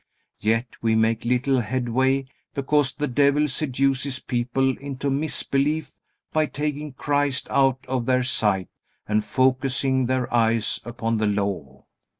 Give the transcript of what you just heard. Yet we make little headway because the devil seduces people into misbelief by taking Christ out of their sight and focusing their eyes upon the Law.